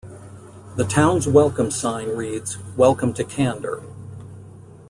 The town's welcome sign reads: Welcome to Candor.